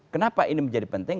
kenapa ini menjadi penting